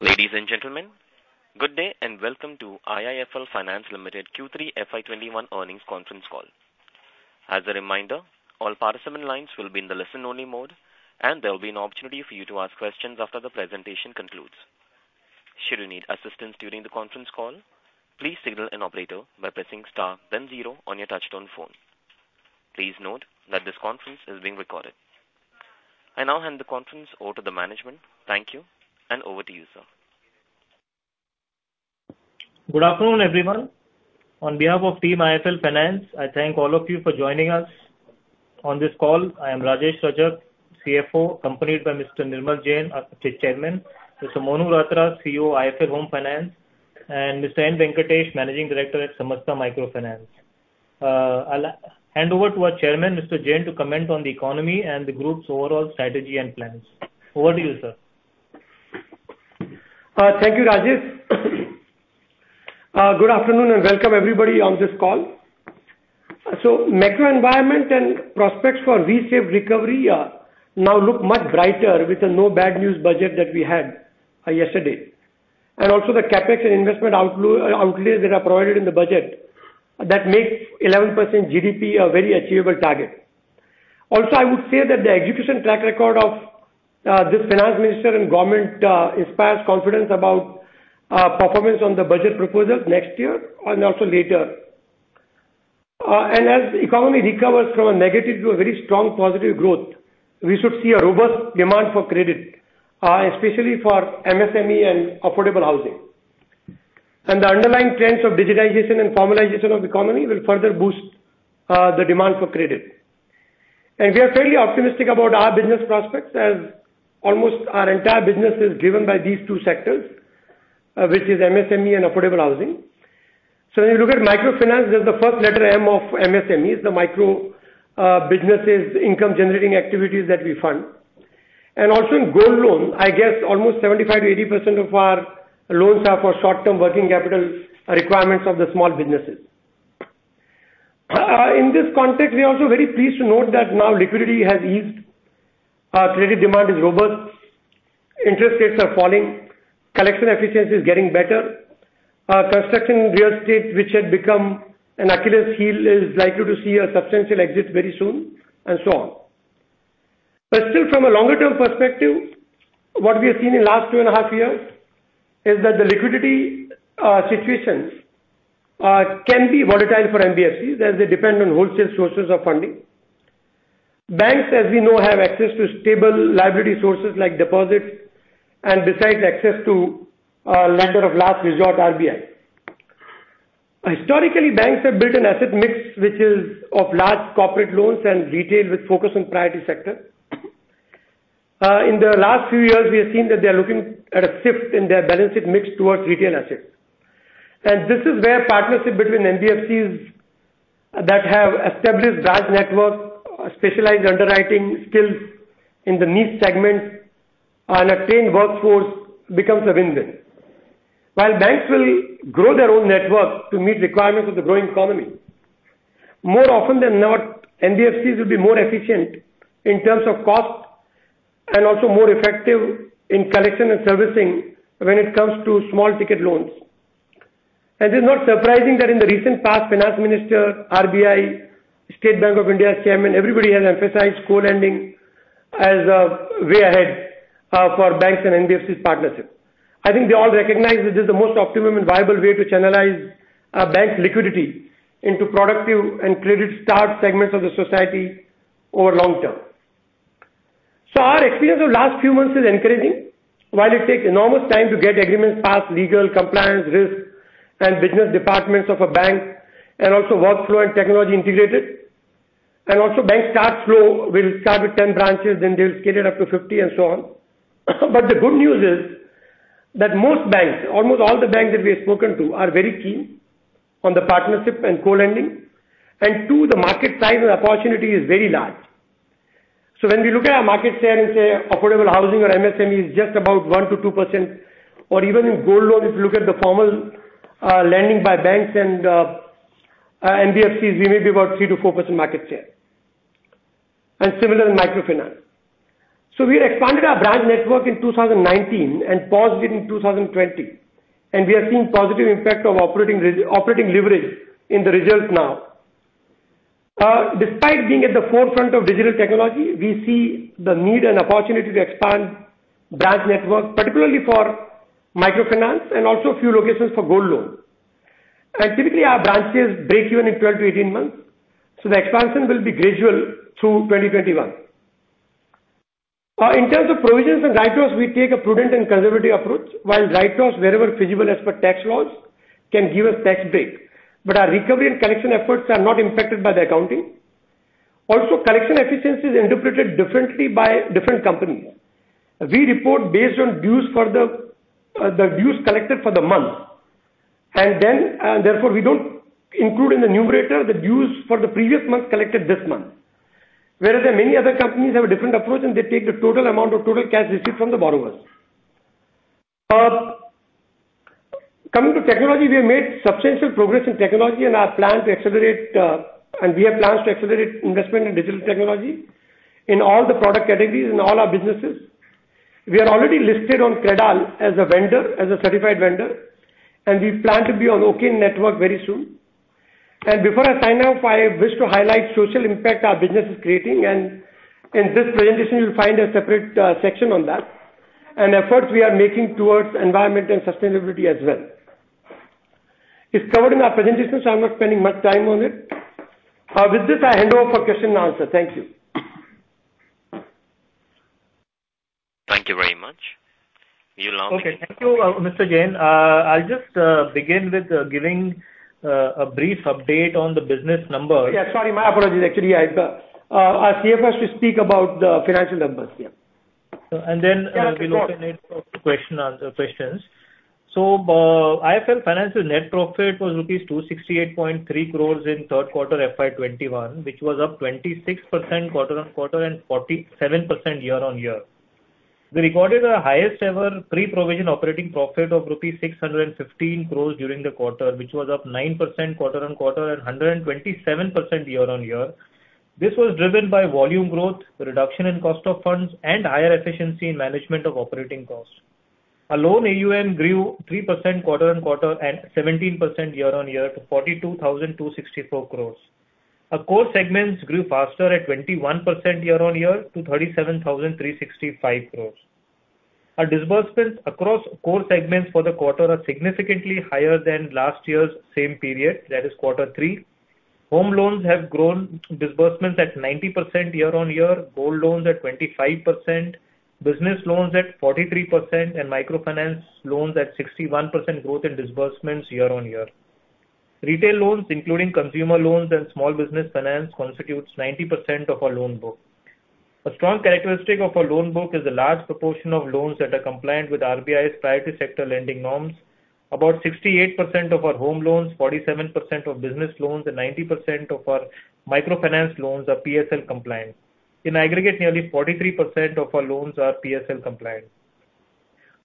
Ladies and gentlemen, good day and welcome to IIFL Finance Limited Q3 FY 2021 Earnings Conference Call. As a reminder, all participant lines will be in the listen only mode, and there will be an opportunity for you to ask questions after the presentation concludes. Should you need assistance during the conference call, please signal an operator by pressing star then zero on your touchtone phone. Please note that this conference is being recorded. I now hand the conference over to the management. Thank you, and over to you, sir. Good afternoon, everyone. On behalf of Team IIFL Finance, I thank all of you for joining us on this call. I am Rajesh Rajak, CFO, accompanied by Mr. Nirmal Jain, our Chairman, Mr. Monu Ratra, CEO, IIFL Home Finance, and Mr. Venkatesh N., Managing Director at Samasta Microfinance. I'll hand over to our Chairman, Mr. Jain, to comment on the economy and the group's overall strategy and plans. Over to you, sir. Thank you, Rajesh. Good afternoon and welcome everybody on this call. Macro environment and prospects for V-shaped recovery now look much brighter with the no bad news budget that we had yesterday. Also the CapEx and investment outlays that are provided in the budget, that makes 11% GDP a very achievable target. Also, I would say that the execution track record of this Finance Minister and government inspires confidence about performance on the budget proposals next year and also later. As the economy recovers from a negative to a very strong positive growth, we should see a robust demand for credit, especially for MSME and affordable housing. The underlying trends of digitization and formalization of the economy will further boost the demand for credit. We are fairly optimistic about our business prospects as almost our entire business is driven by these two sectors, which is MSME and affordable housing. When you look at microfinance, this is the first letter M of MSMEs, the micro businesses income generating activities that we fund. Also in gold loan, I guess almost 75%-80% of our loans are for short-term working capital requirements of the small businesses. In this context, we are also very pleased to note that now liquidity has eased, credit demand is robust, interest rates are falling, collection efficiency is getting better. Construction real estate, which had become an Achilles heel, is likely to see a substantial exit very soon, and so on. Still from a longer-term perspective, what we have seen in last two and a half years is that the liquidity situations can be volatile for NBFCs as they depend on wholesale sources of funding. Banks, as we know, have access to stable liability sources like deposits and besides access to lender of last resort, RBI. Historically, banks have built an asset mix which is of large corporate loans and retail with focus on priority sector. In the last few years, we have seen that they are looking at a shift in their balance sheet mix towards retail assets. This is where partnership between NBFCs that have established branch network, specialized underwriting skills in the niche segments and a trained workforce becomes a win-win. While banks will grow their own network to meet requirements of the growing economy, more often than not, NBFCs will be more efficient in terms of cost and also more effective in collection and servicing when it comes to small ticket loans. It is not surprising that in the recent past, Finance Minister, RBI, State Bank of India's Chairman, everybody has emphasized co-lending as a way ahead for banks and NBFCs partnership. I think they all recognize this is the most optimum and viable way to channelize bank liquidity into productive and credit-starved segments of the society over long-term. Our experience over last few months is encouraging. While it takes enormous time to get agreements past legal, compliance, risk, and business departments of a bank and also workflow and technology integrated. Also bank starts slow, will start with 10 branches, then they will scale it up to 50 and so on. But the good news is that most banks, almost all the banks that we have spoken to are very keen on the partnership and co-lending. Two, the market size and opportunity is very large. When we look at our market share in, say, affordable housing or MSME, it's just about 1%-2%. Or even in gold loan, if you look at the formal lending by banks and NBFCs, we may be about 3%-4% market share. Similar in microfinance. We had expanded our branch network in 2019 and paused it in 2020. We are seeing positive impact of operating leverage in the results now. Despite being at the forefront of digital technology, we see the need and opportunity to expand branch network, particularly for microfinance and also a few locations for gold loan. Typically, our branch sales break even in 12-18 months, so the expansion will be gradual through 2021. In terms of provisions and write-offs, we take a prudent and conservative approach, while write-offs wherever feasible as per tax laws can give a tax break. Collection efficiency is interpreted differently by different companies. We report based on the dues collected for the month. Therefore we don't include in the numerator the dues for the previous month collected this month. Whereas there are many other companies have a different approach, and they take the total amount of total cash received from the borrowers. Coming to technology, we have made substantial progress in technology, and we have plans to accelerate investment in digital technology in all the product categories in all our businesses. We are already listed on CredAll as a certified vendor, we plan to be on OCEN Network very soon. Before I sign off, I wish to highlight social impact our business is creating, and in this presentation, you'll find a separate section on that, and efforts we are making towards environment and sustainability as well. It's covered in our presentation, so I'm not spending much time on it. With this, I hand over for question and answer. Thank you. Thank you very much. Okay. Thank you, Mr. Jain. I'll just begin with giving a brief update on the business numbers. Yeah, sorry, my apologies. Actually, I asked CFO to speak about the financial numbers. Yeah. And then- Yeah, of course. We'll open it for questions. IIFL Finance net profit was rupees 268.3 crores in third quarter FY 2021, which was up 26% quarter-on-quarter and 47% year-on-year. We recorded our highest ever pre-provision operating profit of rupees 615 crores during the quarter, which was up 9% quarter-on-quarter and 127% year-on-year. This was driven by volume growth, reduction in cost of funds, and higher efficiency in management of operating costs. Our loan AUM grew 3% quarter-on-quarter and 17% year-on-year to 42,264 crores. Our core segments grew faster at 21% year-on-year to 37,365 crores. Our disbursements across core segments for the quarter are significantly higher than last year's same period, that is quarter three. Home loans have grown disbursements at 90% year-on-year, gold loans at 25%, business loans at 43%, and microfinance loans at 61% growth in disbursements year-on-year. Retail loans, including consumer loans and small business finance, constitutes 90% of our loan book. A strong characteristic of our loan book is the large proportion of loans that are compliant with RBI's priority sector lending norms. About 68% of our home loans, 47% of business loans, and 90% of our microfinance loans are PSL compliant. In aggregate, nearly 43% of our loans are PSL compliant.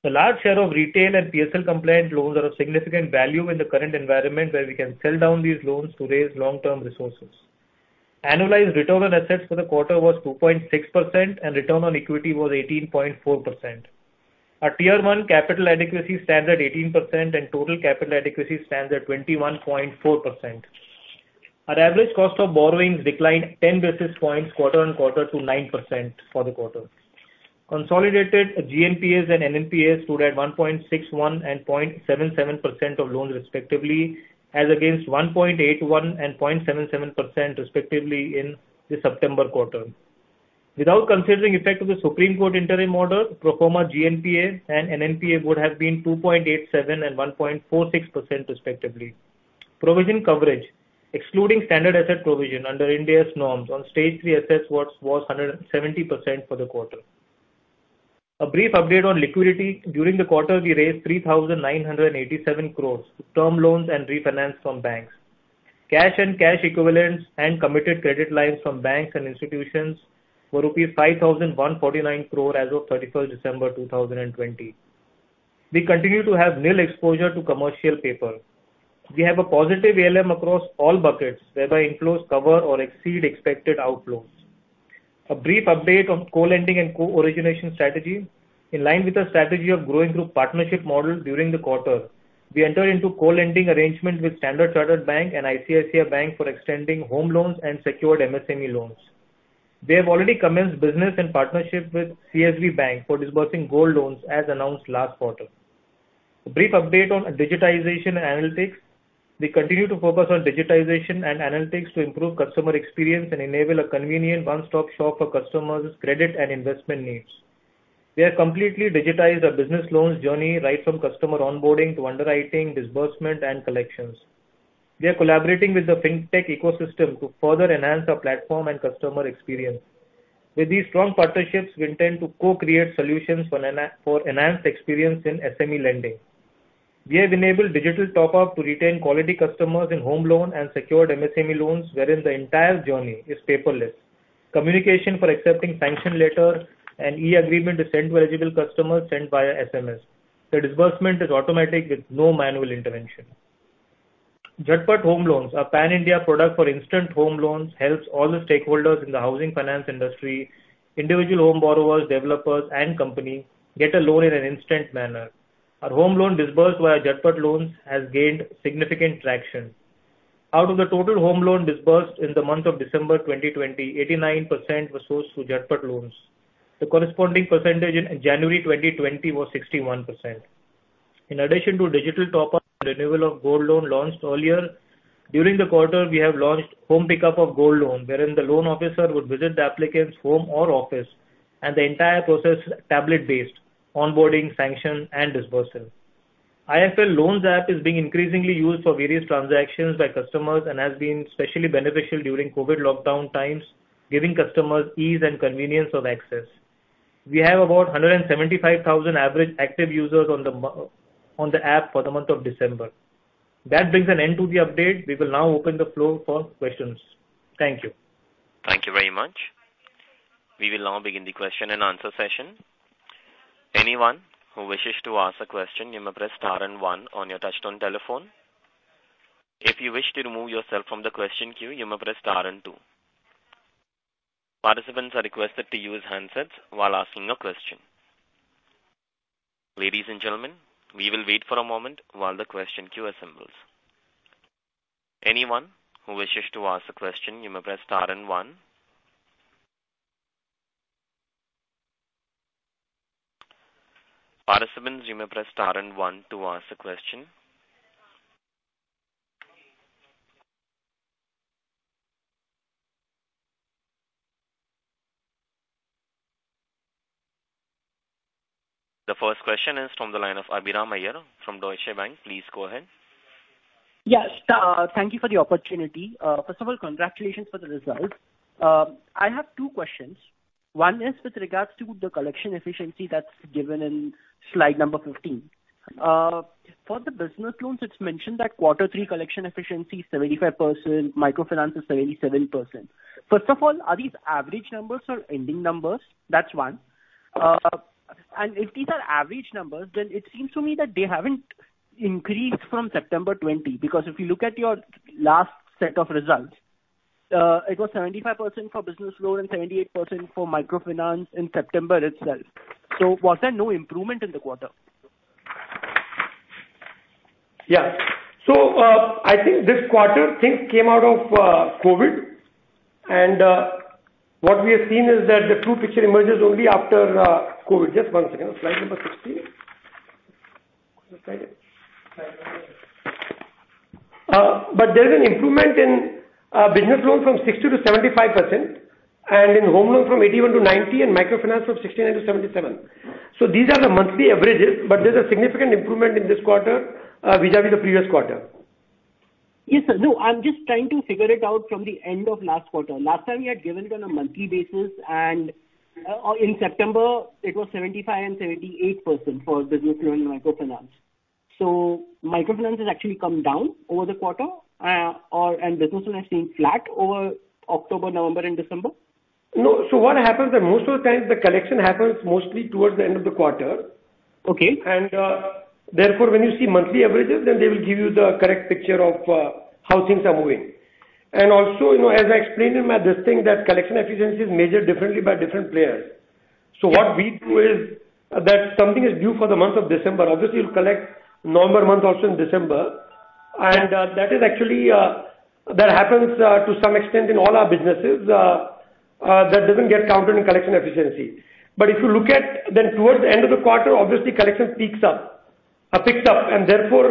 A large share of retail and PSL-compliant loans are of significant value in the current environment where we can sell down these loans to raise long-term resources. Annualized return on assets for the quarter was 2.6% and return on equity was 18.4%. Our Tier 1 capital adequacy stands at 18%, and total capital adequacy stands at 21.4%. Our average cost of borrowings declined 10 basis points quarter-on-quarter to 9% for the quarter. Consolidated GNPA and NNPA stood at 1.61% and 0.77% of loans respectively, as against 1.81% and 0.77% respectively in the September quarter. Without considering effect of the Supreme Court interim order, pro forma GNPA and NNPA would have been 2.87% and 1.46% respectively. Provision coverage, excluding standard asset provision under Ind AS norms on Stage 3 assets was 170% for the quarter. A brief update on liquidity. During the quarter, we raised 3,987 crore through term loans and refinance from banks. Cash and cash equivalents and committed credit lines from banks and institutions were rupees 5,149 crore as of 31st December 2020. We continue to have nil exposure to commercial paper. We have a positive ALM across all buckets, whereby inflows cover or exceed expected outflows. A brief update on co-lending and co-origination strategy. In line with our strategy of growing through partnership model during the quarter, we entered into co-lending arrangement with Standard Chartered Bank and ICICI Bank for extending home loans and secured MSME loans. We have already commenced business in partnership with CSB Bank for disbursing gold loans as announced last quarter. A brief update on digitization analytics. We continue to focus on digitization and analytics to improve customer experience and enable a convenient one-stop shop for customers' credit and investment needs. We have completely digitized our business loans journey right from customer onboarding to underwriting, disbursement, and collections. We are collaborating with the fintech ecosystem to further enhance our platform and customer experience. With these strong partnerships, we intend to co-create solutions for enhanced experience in SME lending. We have enabled digital top-up to retain quality customers in home loan and secured MSME loans, wherein the entire journey is paperless. Communication for accepting sanction letter and e-agreement is sent to eligible customers via SMS. The disbursement is automatic with no manual intervention. Jhatpat Home Loans, our pan-India product for instant home loans, helps all the stakeholders in the housing finance industry, individual home borrowers, developers, and company get a loan in an instant manner. Our home loan disbursed via Jhatpat Loans has gained significant traction. Out of the total home loan disbursed in the month of December 2020, 89% was sourced through Jhatpat Loans. The corresponding percentage in January 2020 was 61%. In addition to digital top-up and renewal of gold loan launched earlier, during the quarter, we have launched home pickup of gold loan, wherein the loan officer would visit the applicant's home or office and the entire process is tablet-based: onboarding, sanction, and disbursement. IIFL Loans app is being increasingly used for various transactions by customers and has been especially beneficial during COVID lockdown times, giving customers ease and convenience of access. We have about 175,000 average active users on the app for the month of December. That brings an end to the update. We will now open the floor for questions. Thank you. Thank you very much. We will now begin the question-and-answer session. Anyone who wishes to ask a question you may press star and one on your touchtone telephone. If you wish to remove yourself from the question queue you may press star and two. Participants are requested to use handsets while asking a question. Ladies and gentlemen, we will wait for a moment while the question queue assembles. The first question is from the line of Abhiram Iyer from Deutsche Bank. Please go ahead. Yes. Thank you for the opportunity. First of all, congratulations for the results. I have two questions. One is with regards to the collection efficiency that's given in slide number 15. For the business loans, it's mentioned that quarter three collection efficiency is 75%, microfinance is 77%. First of all, are these average numbers or ending numbers? That's one. If these are average numbers, then it seems to me that they haven't increased from September 2020. If you look at your last set of results, it was 75% for business loan and 78% for microfinance in September itself. Was there no improvement in the quarter? Yeah. I think this quarter, things came out of COVID, and what we have seen is that the true picture emerges only after COVID. Just one second. Slide number 16. Next slide. There is an improvement in business loans from 60%-75%, and in home loans from 81%-90%, and microfinance from 69%-77%. These are the monthly averages, but there's a significant improvement in this quarter vis-à-vis the previous quarter. Yes, sir. No, I'm just trying to figure it out from the end of last quarter. Last time you had given it on a monthly basis. In September it was 75% and 78% for business loan and microfinance. Microfinance has actually come down over the quarter. Business loans have stayed flat over October, November and December? No. What happens is that most of the time, the collection happens mostly towards the end of the quarter. Okay. Therefore, when you see monthly averages, then they will give you the correct picture of how things are moving. Also, as I explained in my this thing, that collection efficiency is measured differently by different players. What we do is that something is due for the month of December, obviously you'll collect November month also in December. That happens to some extent in all our businesses, that doesn't get counted in collection efficiency. If you look at towards the end of the quarter, obviously collection picks up, and therefore,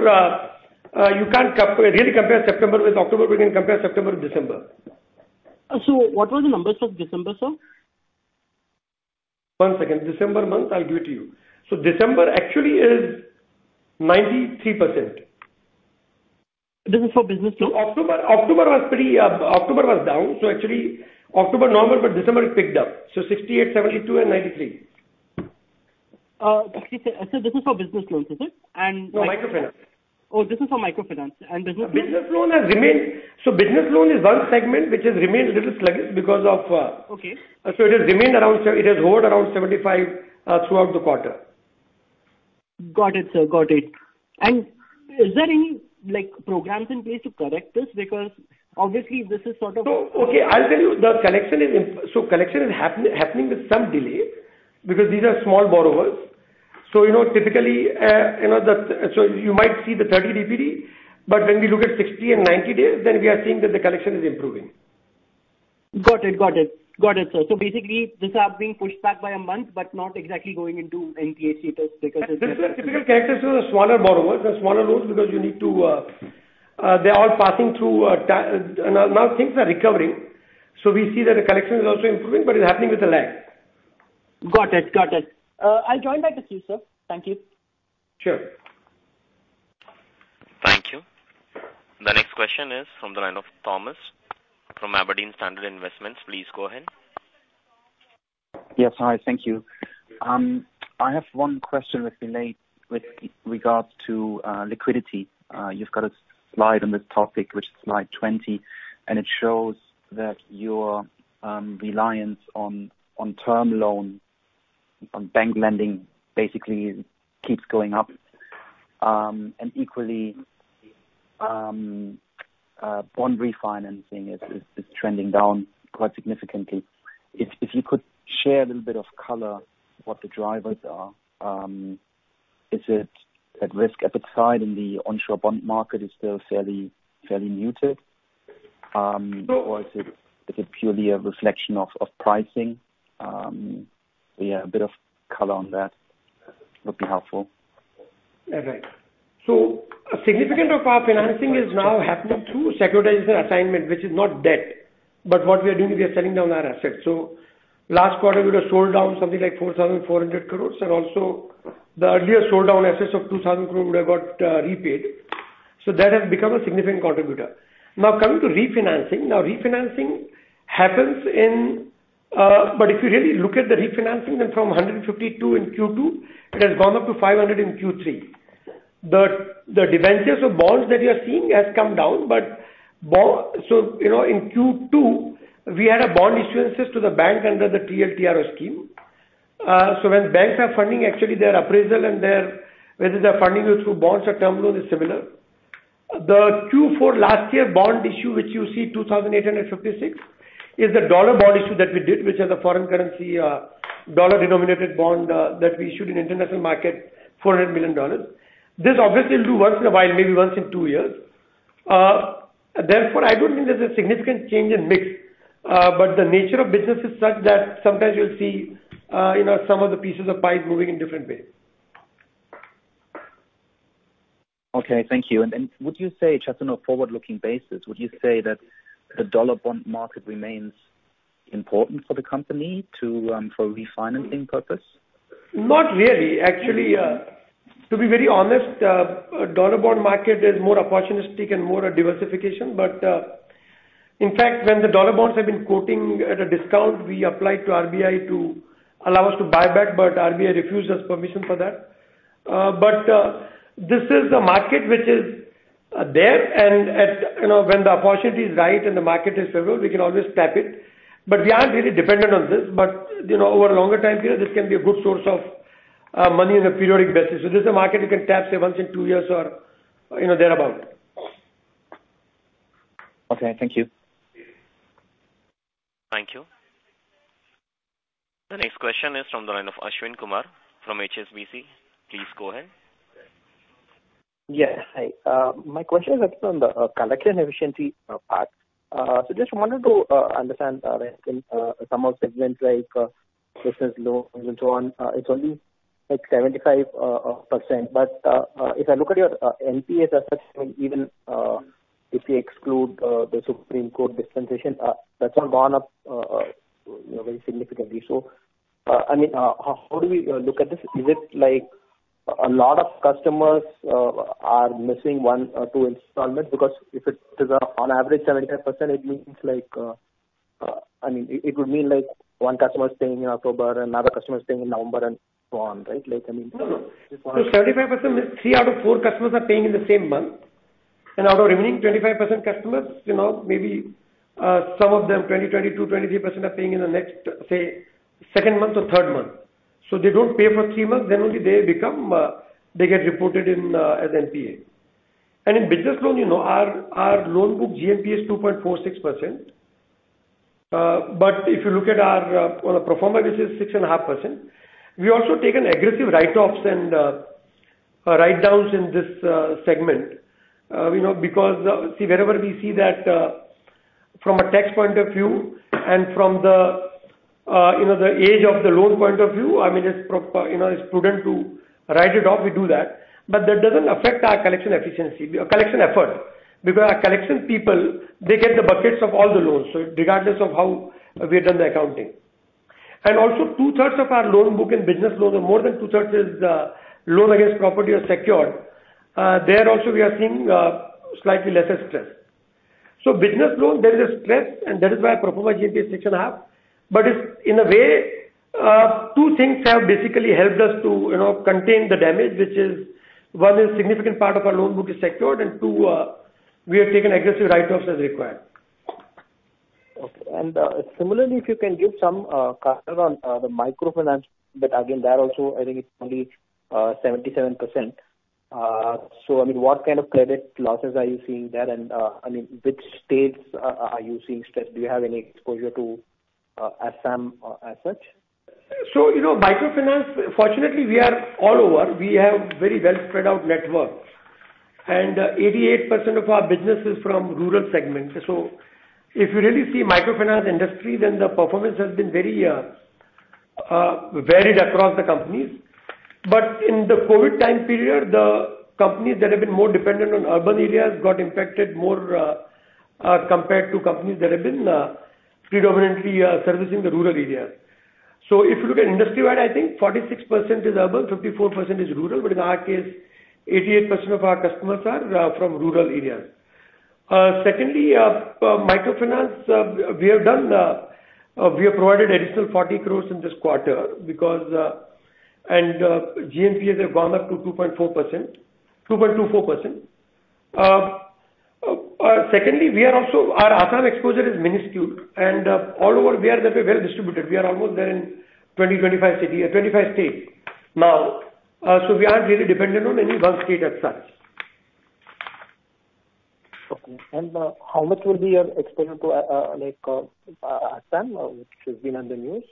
you can't really compare September with October. We can compare September with December. What were the numbers for December, sir? One second. December month, I'll give it to you. December actually is 93%. This is for business loans? October was down. Actually October, November, December it picked up. 68%, 72% and 93%. Actually, sir, this is for business loans, is it? No, microfinance. Oh, this is for microfinance. Business loans? Business loan is one segment which has remained a little sluggish because of a. Okay. It has hovered around 75% throughout the quarter. Got it, sir. Got it. Is there any programs in place to correct this? Okay, I'll tell you. Collection is happening with some delay because these are small borrowers. You might see the 30 DPD, but when we look at 60 and 90 days, we are seeing that the collection is improving. Got it. Got it. Got it, sir. Basically these are being pushed back by a month, but not exactly going into NPA status because- This is a typical characteristic of the smaller borrowers and smaller loans because they're all passing through time. Things are recovering. We see that the collection is also improving. It's happening with a lag. Got it. I'll join back with you, sir. Thank you. Sure. Thank you. The next question is from the line of Thomas from Aberdeen Standard Investments. Please go ahead. Yes. Hi. Thank you. I have one question with regards to liquidity. You've got a slide on this topic, which is slide 20. It shows that your reliance on term loans, on bank lending basically keeps going up. Equally, bond refinancing is trending down quite significantly. If you could share a little bit of color what the drivers are. Is it that risk appetite in the onshore bond market is still fairly muted? Is it purely a reflection of pricing? Yeah, a bit of color on that would be helpful. Right. A significant of our financing is now happening through securitization assignment, which is not debt. What we are doing, we are selling down our assets. Last quarter, we would have sold down something like 4,400 crore, and also the earlier sold-down assets of 2,000 crore would have got repaid. That has become a significant contributor. Coming to refinancing. If you really look at the refinancing, from 152 in Q2, it has gone up to 500 in Q3. The debentures of bonds that you're seeing has come down. In Q2, we had bond issuances to the bank under the TLTRO scheme. When banks are funding, actually their appraisal and whether they're funding it through bonds or term loan is similar. The Q4 last year bond issue, which you see 2,856, is the dollar bond issue that we did, which is a foreign currency dollar-denominated bond that we issued in international market, $400 million. This obviously will do once in a while, maybe once in two years. Therefore, I don't think there's a significant change in mix. The nature of business is such that sometimes you'll see some of the pieces of pie moving in different ways. Okay, thank you. Just on a forward-looking basis, would you say that the dollar bond market remains important for the company for refinancing purpose? Not really. To be very honest, dollar bond market is more opportunistic and more a diversification. In fact, when the dollar bonds have been quoting at a discount, we applied to RBI to allow us to buy back, but RBI refused us permission for that. This is a market which is there, and when the opportunity is right and the market is favorable, we can always tap it. We aren't really dependent on this. Over a longer time period, this can be a good source of money on a periodic basis. This is a market you can tap, say, once in two years or thereabout. Okay, thank you. Thank you. The next question is from the line of Ashwin Kumar from HSBC. Please go ahead. Yes. Hi. My question is on the collection efficiency part. Just wanted to understand, I think some of segments like business loans and so on, it is only at 75%. If I look at your NPAs as such, and even if you exclude the Supreme Court dispensation, that has not gone up very significantly. How do we look at this? Is it like a lot of customers are missing one or two installments? If it is on average 75%, it would mean one customer is paying in October, another customer is paying in November, and so on, right? No. 75% means three out of four customers are paying in the same month. Out of remaining 25% customers, maybe some of them, 20%, 22%, 23% are paying in the next, say, second month or third month. They don't pay for three months, then only they get reported as NPA. In business loan, our loan book GNPA is 2.46%. If you look at our pro forma, this is 6.5%. We also take aggressive write-offs and write-downs in this segment. Because wherever we see that from a tax point of view and from the age of the loan point of view, it's prudent to write it off, we do that. That doesn't affect our collection effort. Because our collection people, they get the buckets of all the loans, so regardless of how we've done the accounting. Also 2/3 of our loan book in business loans or more than 2/3 is loan against property or secured. There also we are seeing slightly lesser stress. Business loans, there is a stress, and that is why our pro forma GNPA is 6.5%. In a way, two things have basically helped us to contain the damage, which is, one is significant part of our loan book is secured, and two, we have taken aggressive write-offs as required. Okay. Similarly, if you can give some color on the microfinance. Again, that also, I think it's only 77%. What kind of credit losses are you seeing there, and which states are you seeing stress? Do you have any exposure to Assam as such? Microfinance, fortunately, we are all over. We have very well spread out networks, and 88% of our business is from rural segments. If you really see microfinance industry, the performance has been very varied across the companies. In the COVID time period, the companies that have been more dependent on urban areas got impacted more compared to companies that have been predominantly servicing the rural areas. If you look at industry-wide, I think 46% is urban, 54% is rural. In our case, 88% of our customers are from rural areas. Secondly, microfinance, we have provided additional 40 crore in this quarter, and GNPA have gone up to 2.24%. Secondly, our Assam exposure is minuscule, and all over we are very well distributed. We are almost there in 25 states now. We aren't really dependent on any one state as such. Okay. How much would be your exposure to Assam, which has been on the news?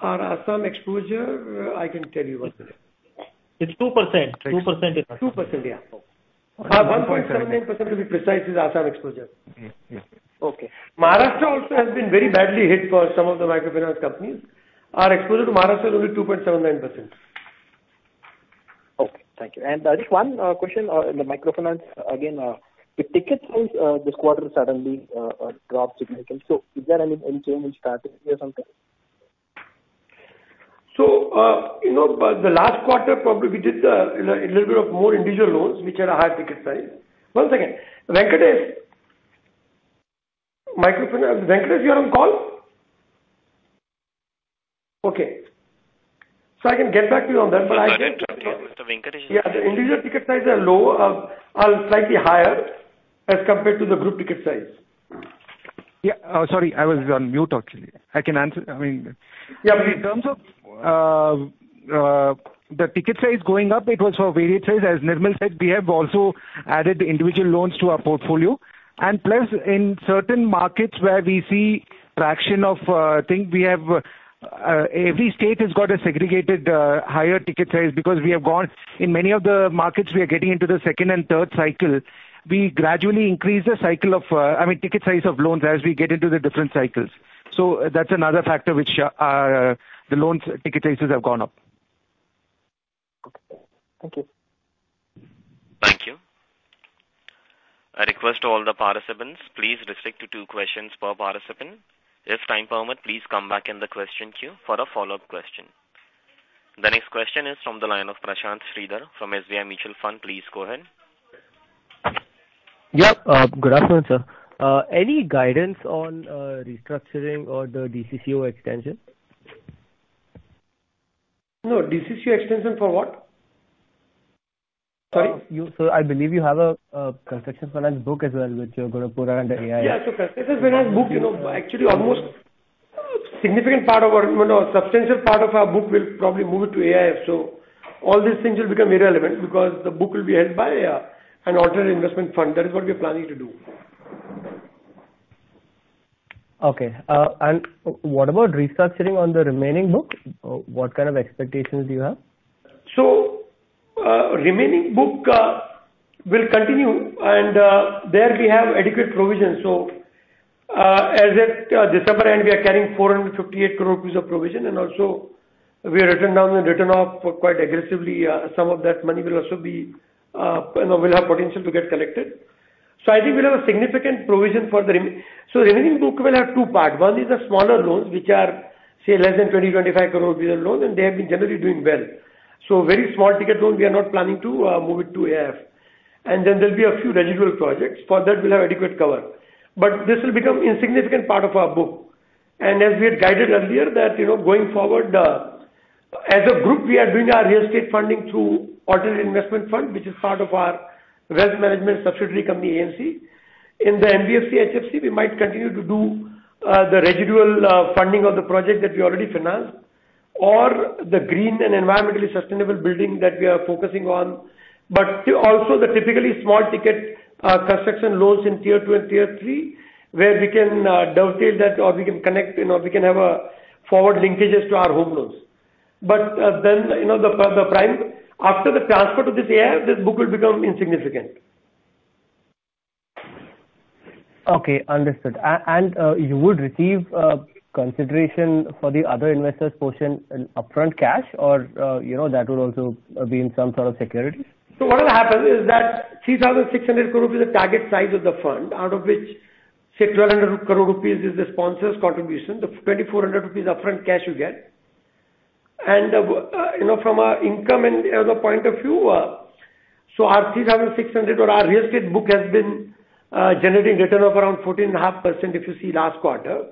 Our Assam exposure, I can tell you. One second. It's 2%. 2% it was. 2%, yeah. 1.79%, to be precise, is Assam exposure. Okay. Maharashtra also has been very badly hit for some of the microfinance companies. Our exposure to Maharashtra is only 2.79%. Okay. Thank you. Just one question on the microfinance again. The ticket size this quarter suddenly dropped significantly. Is there any change in strategy or something? The last quarter probably we did a little bit of more individual loans, which had a higher ticket size. One second. Venkatesh. Microfinance. Venkatesh, you're on call? Okay. I can get back to you on that, but I think. Mr. Venkatesh. Yeah. The individual ticket sizes are low, are slightly higher as compared to the group ticket size. Yeah. Sorry, I was on mute actually. I can answer. Yeah. In terms of the ticket size going up, it was for various size. As Nirmal said, we have also added individual loans to our portfolio. Plus, in certain markets where we see traction of things, every state has got a segregated higher ticket size because we have gone in many of the markets, we are getting into the second and third cycle. We gradually increase the ticket size of loans as we get into the different cycles. That's another factor which the loans ticket sizes have gone up. Okay. Thank you. Thank you. I request all the participants, please restrict to two questions per participant. If time permit, please come back in the question queue for a follow-up question. The next question is from the line of Prashanth Sridhar from SBI Mutual Fund. Please go ahead. Yeah. Good afternoon, sir. Any guidance on restructuring or the DCCO extension? No. DCCO extension for what? Sorry. Sir, I believe you have a construction finance book as well, which you're going to put under AIF. Yeah. Construction finance book, actually almost significant part of or substantial part of our book will probably move it to AIF. All these things will become irrelevant because the book will be held by an Alternative Investment Fund. That is what we're planning to do. Okay. What about restructuring on the remaining book? What kind of expectations do you have? Remaining book will continue, and there we have adequate provisions. As at December end, we are carrying 458 crore rupees of provision and also we have written down and written off quite aggressively. Some of that money will have potential to get collected. I think we'll have a significant provision. The remaining book will have two parts. One is the smaller loans, which are, say, less than 20 crore-25 crore rupees loans, and they have been generally doing well. Very small ticket loans, we are not planning to move it to AIF. There'll be a few residual projects. For that, we'll have adequate cover. This will become insignificant part of our book. As we had guided earlier that, going forward, as a group, we are doing our real estate funding through Alternative Investment Fund, which is part of our wealth management subsidiary company, AMC. In the NBFC, HFC, we might continue to do the residual funding of the project that we already financed or the green and environmentally sustainable building that we are focusing on. Also the typically small ticket construction loans in Tier 2 and Tier 3, where we can dovetail that or we can have a forward linkages to our home loans. Then, after the transfer to this AIF, this book will become insignificant. Okay. Understood. You would receive consideration for the other investors' portion in upfront cash or that would also be in some sort of securities? What will happen is that 3,600 crore rupees is the target size of the fund, out of which, say, 600 crore rupees is the sponsor's contribution. The 2,400 rupees upfront cash you get. From our income and the point of view, our INR 3,600 or our real estate book has been generating return of around 14.5% if you see last quarter.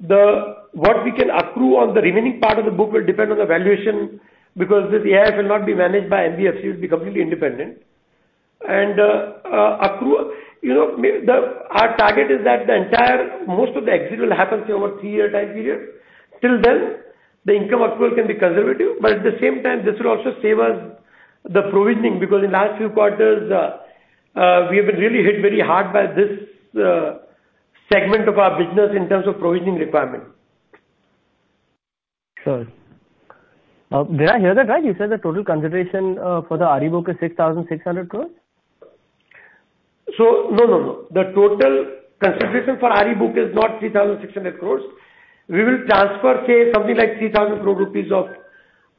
What we can accrue on the remaining part of the book will depend on the valuation because this AIF will not be managed by NBFC, it will be completely independent. Our target is that most of the exit will happen say over three-year time period. Till then, the income accrual can be conservative, but at the same time, this will also save us the provisioning, because in last few quarters, we have been really hit very hard by this segment of our business in terms of provisioning requirement. Sure. Did I hear that right? You said the total consideration for the RE book is 6,600 crores? No. The total consideration for RE book is not 3,600 crores. We will transfer, say, something like 3,000 crore rupees of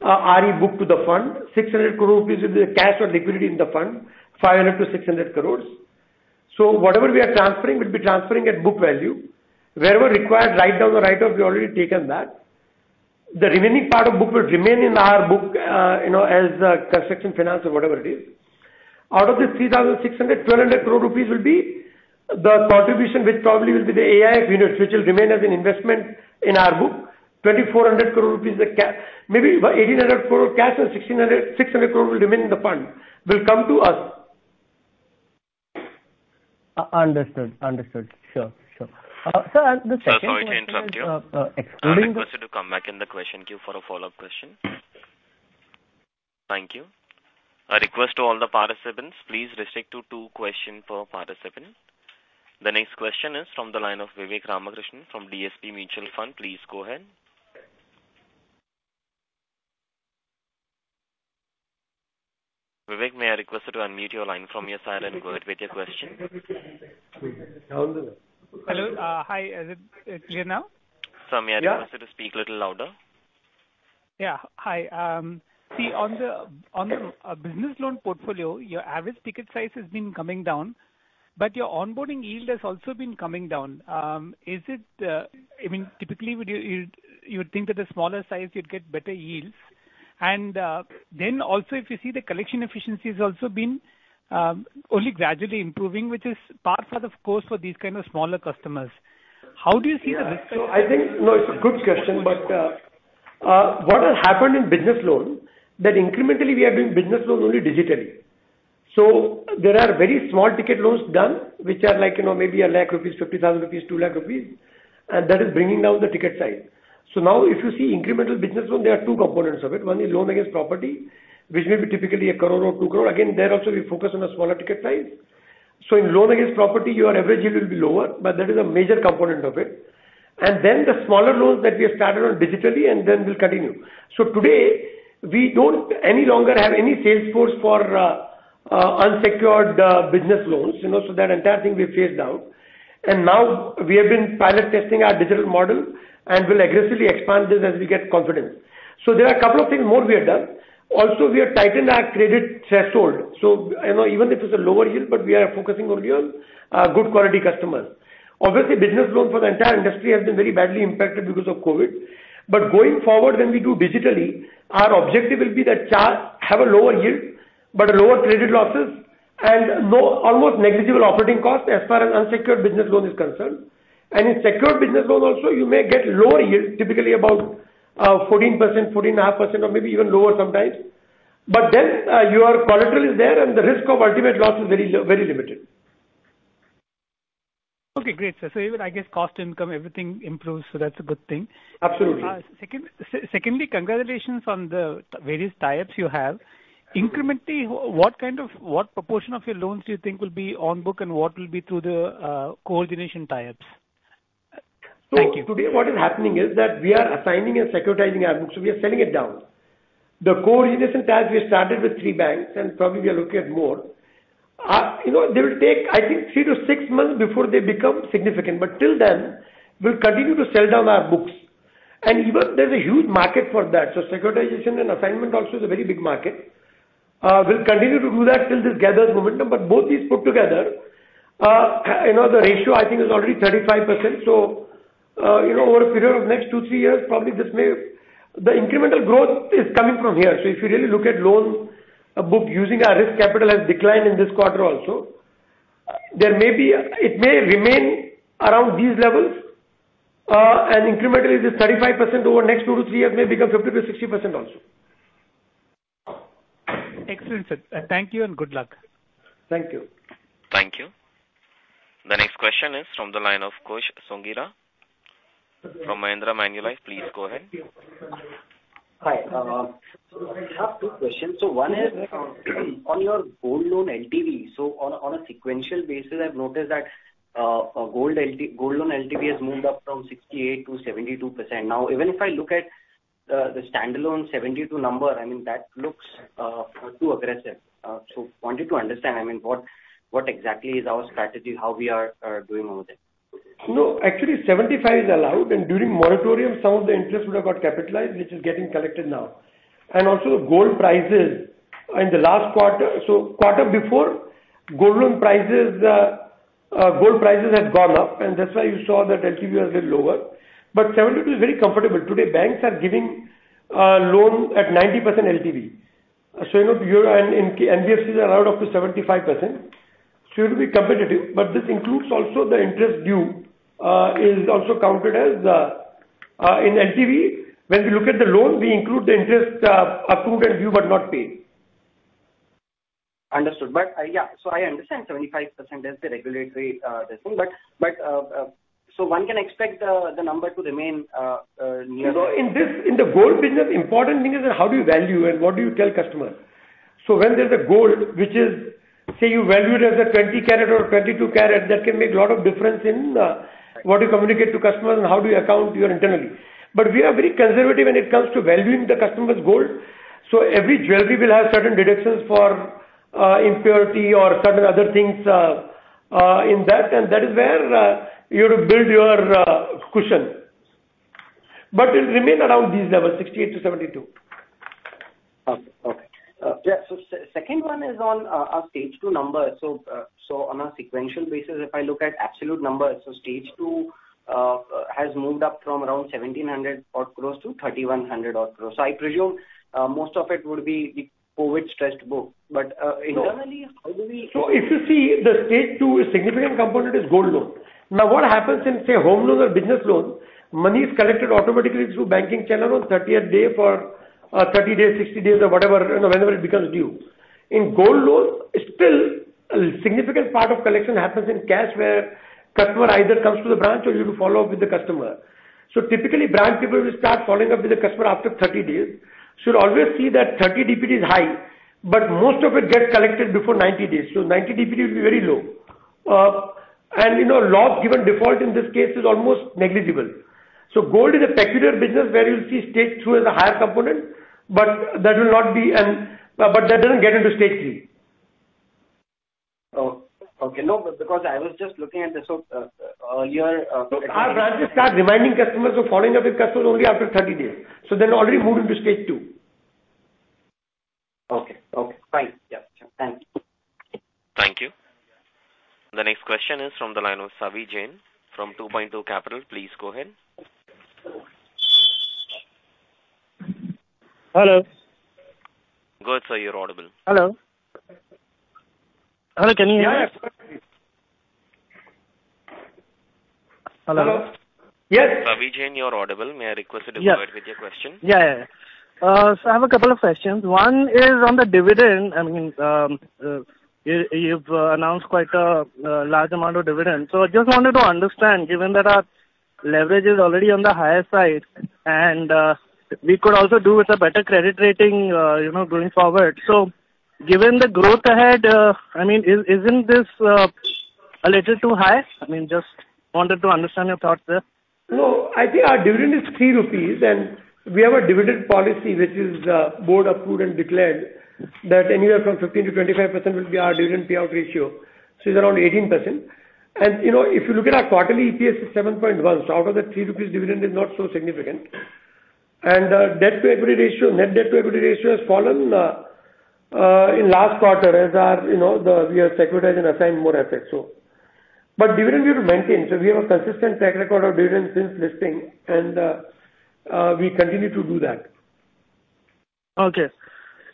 RE book to the fund. 600 crore rupees will be the cash or liquidity in the fund, 500 crore-600 crores. Whatever we are transferring, we'll be transferring at book value. Wherever required, write down or write off, we've already taken that. The remaining part of book will remain in our book as construction finance or whatever it is. Out of this 3,600, 1,200 crore rupees will be the contribution, which probably will be the AIF unit, which will remain as an investment in our book. Maybe 1,800 crore cash and 600 crore will remain in the fund, will come to us. Understood. Sure. Sir. Sir, sorry to interrupt you. I request you to come back in the question queue for a follow-up question. Thank you. I request to all the participants, please restrict to two questions per participant. The next question is from the line of Vivek Ramakrishnan from DSP Mutual Fund. Please go ahead. Vivek, may I request you to unmute your line from your side and go ahead with your question? Hello. Hi. Is it clear now? Sir, may I request you to speak little louder. Yeah. Hi. See, on the business loan portfolio, your average ticket size has been coming down, but your onboarding yield has also been coming down. Typically, you would think that the smaller size you'd get better yields. Also if you see the collection efficiency has also been only gradually improving, which is par for the course for these kind of smaller customers. How do you see the risk? No, it's a good question. What has happened in business loans, that incrementally we are doing business loans only digitally. There are very small ticket loans done, which are like maybe 1 lakh rupees, 50,000 rupees, 2 lakh rupees, and that is bringing down the ticket size. Now if you see incremental business loans, there are two components of it. One is loan against property, which may be typically 1 crore or 2 crore. Again, there also we focus on a smaller ticket size. In loan against property, your average yield will be lower, but that is a major component of it. The smaller loans that we have started on digitally and then will continue. Today, we don't any longer have any sales force for unsecured business loans, so that entire thing we have phased down. Now we have been pilot testing our digital model and will aggressively expand this as we get confidence. There are a couple of things more we have done. Also, we have tightened our credit threshold. Even if it's a lower yield, but we are focusing only on good quality customers. Obviously, business loans for the entire industry has been very badly impacted because of COVID. Going forward, when we do digitally, our objective will be that have a lower yield, but lower credit losses and almost negligible operating costs as far as unsecured business loan is concerned. In secured business loan also, you may get lower yields, typically about 14%, 14.5% or maybe even lower sometimes. Then your collateral is there and the risk of ultimate loss is very limited. Okay, great, sir. Even, I guess, cost income, everything improves, so that's a good thing. Absolutely. Secondly, congratulations on the various tie-ups you have. Incrementally, what proportion of your loans do you think will be on book and what will be through the co-origination tie-ups? Thank you. Today what is happening is that we are assigning and securitizing our books. We are selling it down. The co-origination tie-ups we started with three banks, and probably we are looking at more. They will take, I think, three to six months before they become significant. Till then, we'll continue to sell down our books. Even there's a huge market for that. Securitization and assignment also is a very big market. We'll continue to do that till this gathers momentum. Both these put together, the ratio I think is already 35%. Over a period of next two, three years, the incremental growth is coming from here. If you really look at loan book using our risk capital has declined in this quarter also. It may remain around these levels, and incrementally this 35% over next two to three years may become 50%-60% also. Excellent, sir. Thank you and good luck. Thank you. Thank you. The next question is from the line of Kush Sonigara from Mahindra Manulife. Please go ahead. Hi. I have two questions. One is on your gold loan LTV. On a sequential basis, I've noticed that gold loan LTV has moved up from 68%-72%. Now, even if I look at the standalone 72% number, I mean, that looks too aggressive. I wanted to understand, what exactly is our strategy, how we are doing over there? No, actually 75% is allowed and during moratorium, some of the interest would have got capitalized, which is getting collected now. Also gold prices in the last quarter. Quarter before gold prices had gone up, and that's why you saw that LTV was a little lower. 72% is very comfortable. Today, banks are giving loan at 90% LTV. NBFCs are allowed up to 75%, so you have to be competitive. This includes also the interest due, is also counted as in LTV. When we look at the loan, we include the interest accrued and due but not paid. Understood. I understand 75% is the regulatory threshold. One can expect the number to remain. In the gold business, important thing is that how do you value and what do you tell customers? When there's a gold, say you value it as a 20 karat or 22 karat, that can make a lot of difference in what you communicate to customers and how do you account your internally. We are very conservative when it comes to valuing the customer's gold. Every jeweler will have certain deductions for impurity or certain other things in that, and that is where you build your cushion. It'll remain around these levels, 68%-72%. Okay. Yeah. The second one is on our Stage 2 numbers. On a sequential basis, if I look at absolute numbers, so Stage 2 has moved up from around 1,700 crores-3,100 crores. I presume most of it would be the COVID-stressed book. Internally, how do we. If you see, the Stage 2, a significant component is gold loan. What happens in, say, home loans or business loans, money is collected automatically through banking channel on 30th day for 30 days, 60 days or whenever it becomes due. In gold loans, still a significant part of collection happens in cash where customer either comes to the branch or you follow up with the customer. Typically, branch people will start following up with the customer after 30 days. You'll always see that 30 DPD is high, but most of it gets collected before 90 days. 90 DPD will be very low. Loss given default in this case is almost negligible. Gold is a peculiar business where you'll see Stage 2 as a higher component, but that doesn't get into Stage 3. Okay. No, because I was just looking at the earlier. Our branches start reminding customers or following up with customers only after 30 days. They've already moved into Stage 2. Okay. Fine. Yeah. Thank you. Thank you. The next question is from the line of Savi Jain from 2Point2 Capital. Please go ahead. Hello. Go ahead, sir. You're audible. Hello. Hello, can you hear me? Yeah. Hello. Savi Jain, you're audible. May I request you to go ahead with your question? I have a couple of questions. One is on the dividend. You've announced quite a large amount of dividend. I just wanted to understand, given that our leverage is already on the higher side, and we could also do with a better credit rating going forward. Given the growth ahead, isn't this a little too high? Just wanted to understand your thoughts there. I think our dividend is 3 rupees, and we have a dividend policy, which is board approved and declared, that anywhere from 15%-25% will be our dividend payout ratio. It's around 18%. If you look at our quarterly EPS is 7.1. Out of that 3 rupees dividend is not so significant. Net debt to equity ratio has fallen in last quarter, as we have securitized and assigned more assets. Dividend we have to maintain. We have a consistent track record of dividends since listing and we continue to do that. Okay.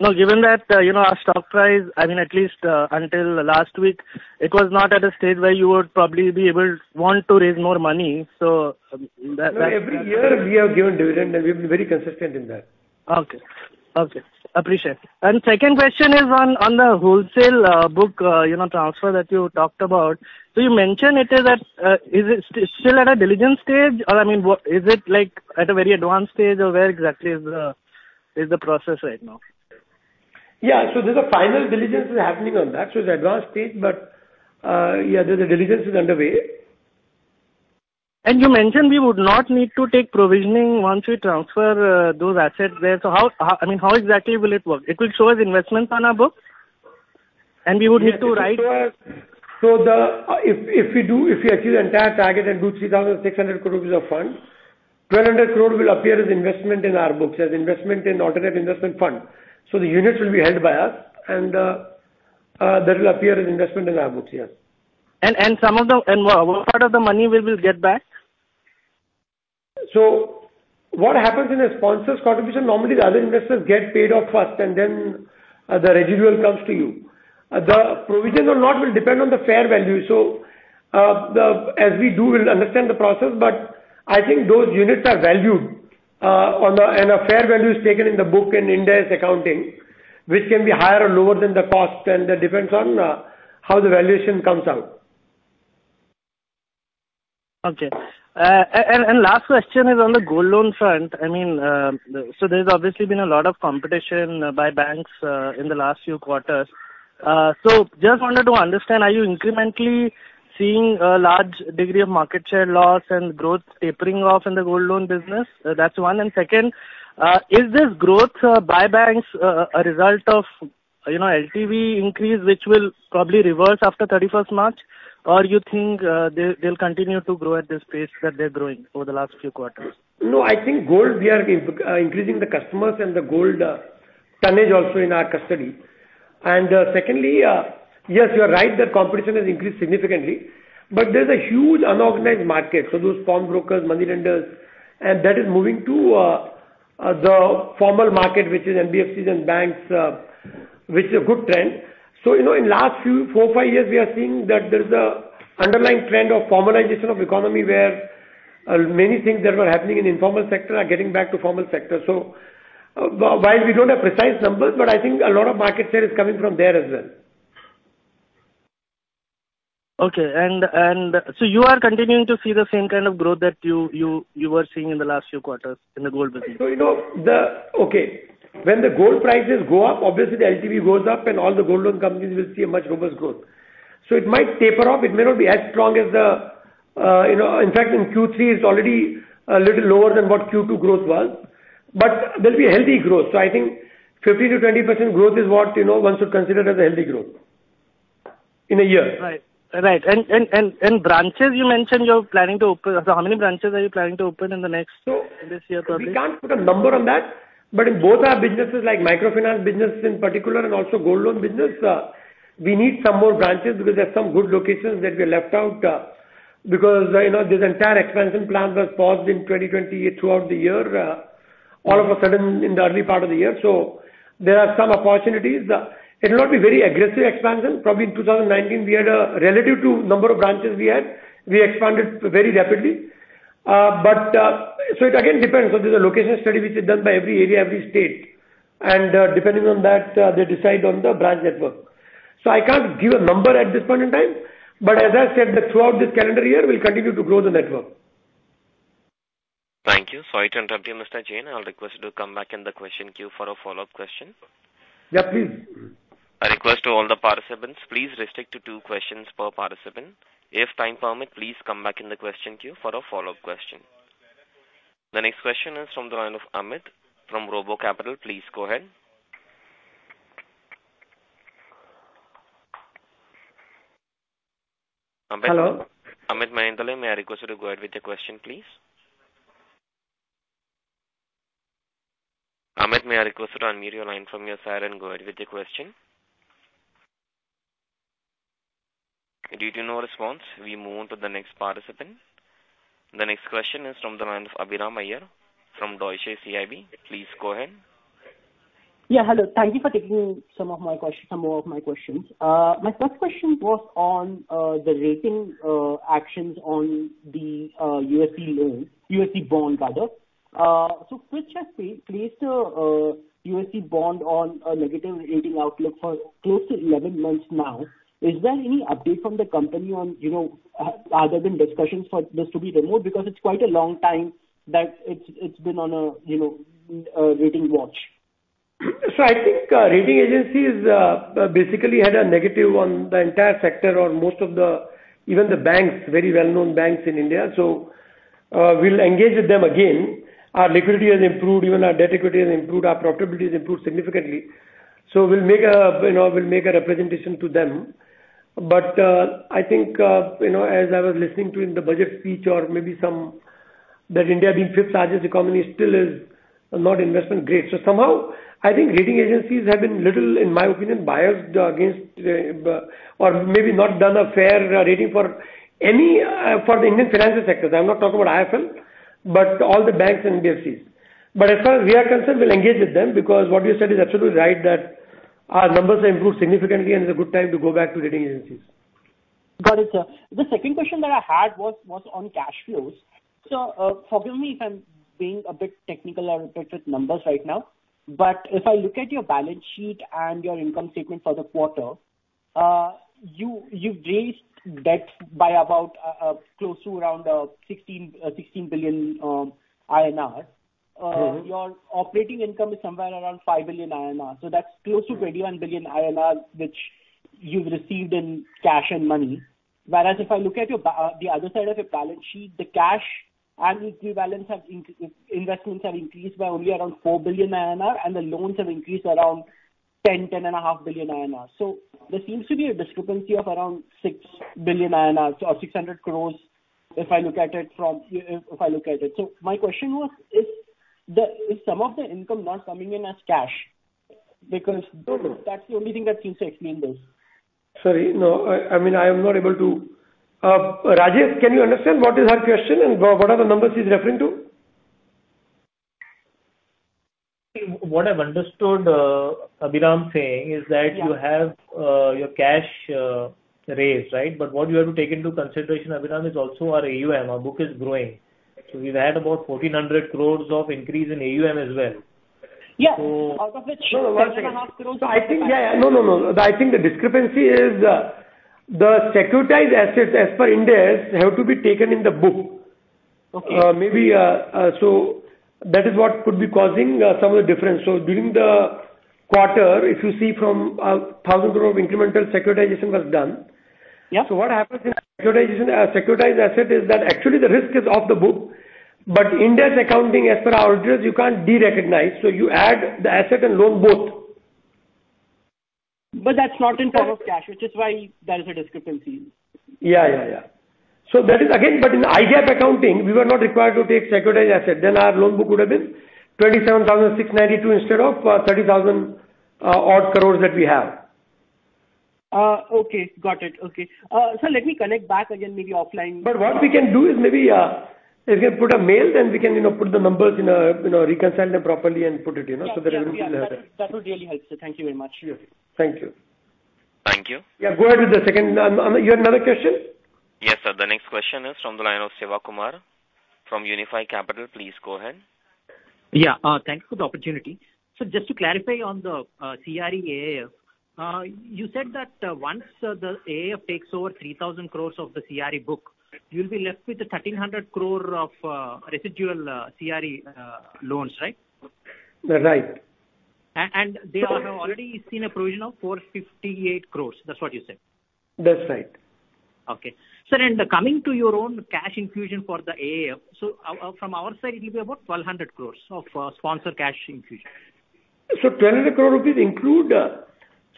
Now, given that our stock price, at least until last week, it was not at a stage where you would probably want to raise more money. No, every year we have given dividend and we have been very consistent in that. Okay. Appreciate it. Second question is on the wholesale book transfer that you talked about. You mentioned is it still at a diligence stage, or is it at a very advanced stage, or where exactly is the process right now? Yeah. There's a final diligence happening on that. It's advanced stage, but the diligence is underway. You mentioned we would not need to take provisioning once we transfer those assets there. So how exactly will it work? It will show as investments on our book and we would need to write? If we achieve entire target and do 3,600 crores rupees of funds, 1,200 crores will appear as investment in our books, as investment in Alternative Investment Fund. The units will be held by us, and that will appear as investment in our books. Yes. What part of the money we will get back? What happens in a sponsor's contribution, normally the other investors get paid off first and then the residual comes to you. The provisions or not will depend on the fair value. As we do, we'll understand the process, but I think those units are valued, and a fair value is taken in the book in Ind AS accounting, which can be higher or lower than the cost, and that depends on how the valuation comes out. Okay. Last question is on the gold loan front. There's obviously been a lot of competition by banks in the last few quarters. Just wanted to understand, are you incrementally seeing a large degree of market share loss and growth tapering off in the gold loan business? That's one. Second, is this growth by banks a result of LTV increase which will probably reverse after 31st March? You think they'll continue to grow at this pace that they're growing over the last few quarters? I think gold, we are increasing the customers and the gold tonnage also in our custody. Secondly, yes, you're right that competition has increased significantly. There's a huge unorganized market. Those pawnbrokers, money lenders, and that is moving to the formal market, which is NBFCs and banks, which is a good trend. In last four, five years, we are seeing that there's a underlying trend of formalization of economy where many things that were happening in informal sector are getting back to formal sector. While we don't have precise numbers, I think a lot of market share is coming from there as well. Okay. You are continuing to see the same kind of growth that you were seeing in the last few quarters in the gold business? Okay. When the gold prices go up, obviously the LTV goes up and all the gold loan companies will see a much robust growth. It might taper off. It may not be as strong. In fact, in Q3, it's already a little lower than what Q2 growth was, but there'll be a healthy growth. I think 15%-20% growth is what one should consider as a healthy growth in a year. Right. Branches you mentioned you're planning to open, how many branches are you planning to open in this year probably? We can't put a number on that. In both our businesses, like microfinance business in particular and also gold loan business, we need some more branches because there's some good locations that we have left out because this entire expansion plan was paused in 2020 throughout the year, all of a sudden in the early part of the year. There are some opportunities. It will not be very aggressive expansion. Probably in 2019, relative to number of branches we had, we expanded very rapidly. It again depends. There's a location study which is done by every area, every state, and depending on that, they decide on the branch network. I can't give a number at this point in time, but as I said that throughout this calendar year, we'll continue to grow the network. Thank you. Sorry to interrupt you, Mr. Jain. I'll request you to come back in the question queue for a follow-up question. Yeah, please. A request to all the participants. Please restrict to two questions per participant. If time permit, please come back in the question queue for a follow-up question. The next question is from the line of Amit from RoboCapital. Please go ahead. Hello. Amit Mehendale, may I request you to go ahead with the question, please? Amit, may I request to unmute your line from your side and go ahead with the question? Due to no response, we move on to the next participant. The next question is from the line of Abhiram Iyer from Deutsche CIB. Please go ahead. Hello. Thank you for taking some more of my questions. My first question was on the rating actions on the USD loan, USD bond rather. Fitch has placed a USD bond on a negative rating outlook for close to 11 months now. Is there any update from the company on, other than discussions for this to be removed? It's quite a long time that it's been on a rating watch. I think rating agencies basically had a negative on the entire sector or most of even the banks, very well-known banks in India. We'll engage with them again. Our liquidity has improved, even our debt equity has improved, our profitability has improved significantly. We'll make a representation to them. I think, as I was listening to in the budget speech, that India being fifth largest economy still is not investment grade. Somehow, I think rating agencies have been a little, in my opinion, biased against or maybe not done a fair rating for the Indian financial sectors. I'm not talking about IIFL, but all the banks and NBFCs. As far as we are concerned, we'll engage with them because what you said is absolutely right, that our numbers have improved significantly and it's a good time to go back to rating agencies. Got it, sir. The second question that I had was on cash flows. Forgive me if I'm being a bit technical or repetitive with numbers right now. If I look at your balance sheet and your income statement for the quarter, you've raised debt by about close to around 16 billion INR. Your operating income is somewhere around 5 billion INR. That's close to 21 billion INR which you've received in cash and money. Whereas if I look at the other side of your balance sheet, the cash and equity investments have increased by only around 4 billion INR, and the loans have increased around 10 billion INR, INR 10.5 billion. There seems to be a discrepancy of around 6 billion INR or 600 crores if I look at it. My question was, is some of the income not coming in as cash? Because that's the only thing that seems to explain this. Sorry. No. I mean, I am not able to Rajesh, can you understand what is his question and what are the numbers he's referring to? What I've understood Abhiram saying is that you have your cash raised, right? What you have to take into consideration, Abhiram, is also our AUM. Our book is growing. We've had about 1,400 crores of increase in AUM as well. Yes. Out of which INR 10.5 billion. No, one second. No. I think the discrepancy is the securitized assets as per Ind AS have to be taken in the book. Okay. That is what could be causing some of the difference. During the quarter, if you see from INR 1,000 crore, incremental securitization was done. Yeah. What happens in a securitized asset is that actually the risk is off the book, but Ind AS accounting, as per auditors, you can't de-recognize, so you add the asset and loan both. That's not in terms of cash, which is why that is a discrepancy. Yeah. In IGAAP accounting, we were not required to take securitized asset, then our loan book would have been 27,692 instead of 30,000 odd crores that we have. Okay. Got it. Okay. Sir, let me connect back again, maybe offline. What we can do is maybe, if you put a mail, then we can put the numbers in a reconcile them properly and put it, you know, so that everything is clear. Yeah. That would really help, sir. Thank you very much. Yeah. Thank you. Thank you. Yeah, go ahead with the second. You had another question? Yes, sir. The next question is from the line of Sivakumar from Unifi Capital. Please go ahead. Yeah. Thanks for the opportunity. Just to clarify on the CRE AIF. You said that once the AIF takes over 3,000 crore of the CRE book, you'll be left with 1,300 crore of residual CRE loans, right? Right. They have now already seen a provision of 458 crores. That's what you said. That's right. Okay. Sir, coming to your own cash infusion for the AIF. From our side, it will be about 1,200 crores of sponsor cash infusion. 1,200 crore rupees include.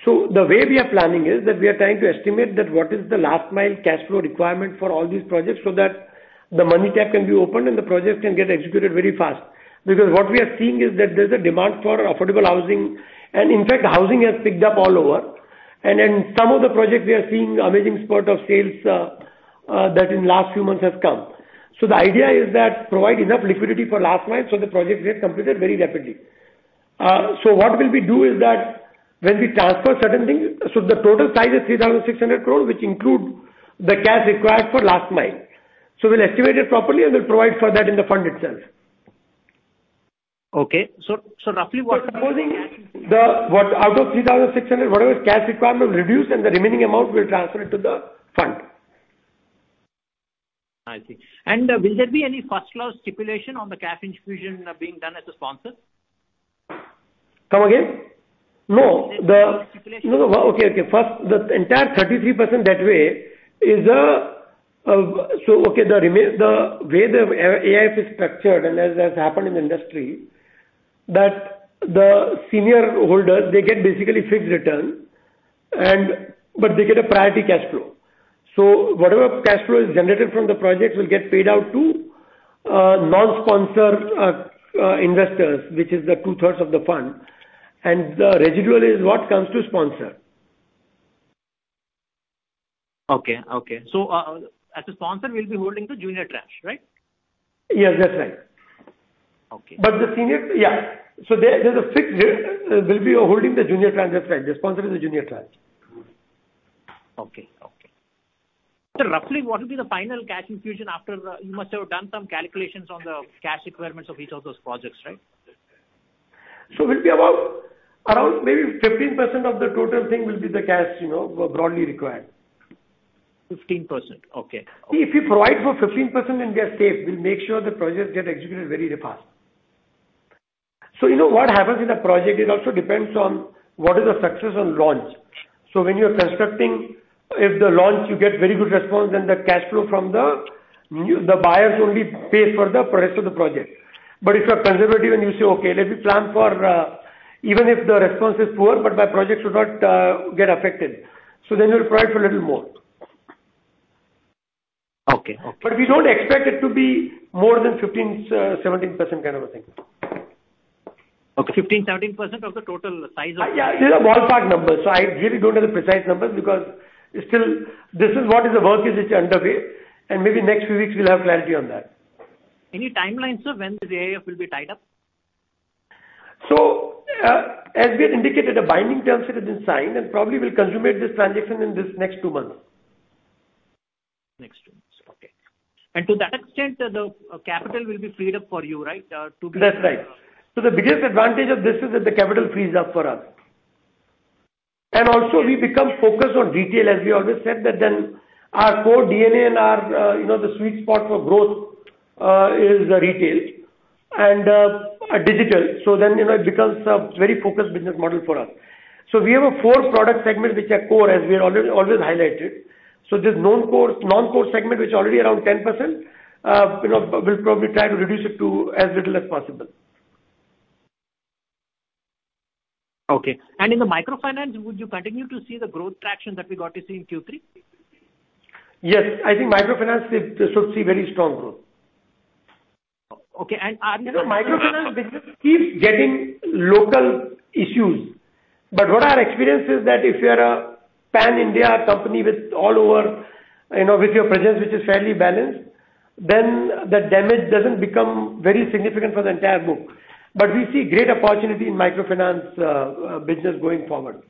The way we are planning is that we are trying to estimate that what is the last-mile cash flow requirement for all these projects, so that the money kept can be opened and the projects can get executed very fast. What we are seeing is that there's a demand for affordable housing, and in fact, housing has picked up all over. In some of the projects, we are seeing amazing spurt of sales that in last few months has come. The idea is that provide enough liquidity for last mile, so the projects get completed very rapidly. What will we do is that when we transfer certain things, so the total size is 3,600 crore, which include the cash required for last mile. We'll estimate it properly, and we'll provide for that in the fund itself. Okay. Supposing out of 3,600, whatever cash requirement reduce and the remaining amount we'll transfer it to the fund. I see. Will there be any first loss stipulation on the cash infusion being done as a sponsor? Come again? No. Will there be any stipulation? No. Okay. First, the entire 33% that way. Okay, the way the AIF is structured and as has happened in the industry. The senior holders, they get basically fixed return, but they get a priority cash flow. Whatever cash flow is generated from the project will get paid out to non-sponsor investors, which is the two-thirds of the fund. The residual is what comes to sponsor. Okay. As a sponsor, we'll be holding the junior tranche, right? Yes, that's right. Okay. There's a fixed rate. We'll be holding the junior tranche. That's right. The sponsor is a junior tranche. Okay. Sir, roughly what will be the final cash infusion after? You must have done some calculations on the cash requirements of each of those projects, right? It will be about maybe 15% of the total thing will be the cash, broadly required. 15%. Okay. If we provide for 15% and we are safe, we'll make sure the projects get executed very fast. You know what happens in a project, it also depends on what is the success on launch. When you're constructing, if the launch you get very good response, the cash flow from the buyers only pay for the progress of the project. If you are conservative and you say, "Okay, let me plan for even if the response is poor, but my project should not get affected." We'll provide for little more. Okay. We don't expect it to be more than 15%-17% kind of a thing. Okay. 15%-17% of the total size of the. Yeah. These are ballpark numbers. I really don't know the precise numbers because this is what is the work is which underway, and maybe next few weeks we'll have clarity on that. Any timelines, sir, when this AIF will be tied up? As we had indicated, the binding terms sheet has been signed, and probably we'll consummate this transaction in this next two months. Next two months. Okay. To that extent, the capital will be freed up for you, right? That's right. The biggest advantage of this is that the capital frees up for us. Also we become focused on retail, as we always said that then our core DNA and the sweet spot for growth is retail and digital. It becomes a very focused business model for us. We have a four product segment which are core, as we have always highlighted. This non-core segment which is already around 10%, we'll probably try to reduce it to as little as possible. Okay. In the microfinance, would you continue to see the growth traction that we got to see in Q3? Yes. I think microfinance should see very strong growth. Okay. Microfinance business keeps getting local issues. What our experience is that if you're a pan-India company with your presence which is fairly balanced, then the damage doesn't become very significant for the entire book. We see great opportunity in microfinance business going forward.